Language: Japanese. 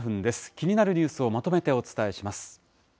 気になるニュースをまとめてお伝